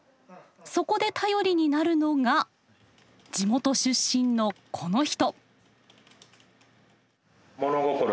そこで頼りになるのが地元出身のこの人。